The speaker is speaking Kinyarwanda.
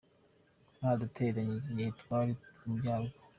Mwaradutereranye ighe twari mubyago.